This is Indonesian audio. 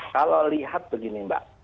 kalau lihat begini mbak